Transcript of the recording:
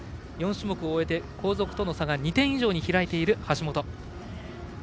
４種目を終えて後続との差が２点以上に開いている橋本。